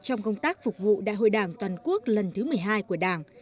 trong công tác phục vụ đại hội đảng toàn quốc lần thứ một mươi hai của đảng